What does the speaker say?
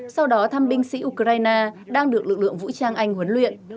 sau đó thăm binh sĩ ukraine đang được lực lượng vũ trang anh huấn luyện